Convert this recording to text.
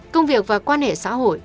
công việc và quan hệ xã hội